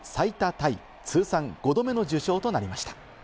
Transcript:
タイ通算５度目の受賞となりました。